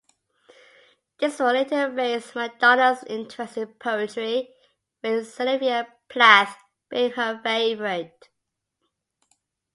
This would later raise Madonna's interest in poetry, with Sylvia Plath being her favourite.